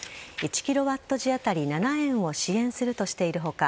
１キロワット時あたり７円を支援するとしている他